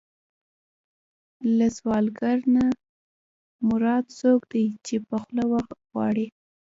له سوالګر نه مراد څوک دی چې په خوله وغواړي.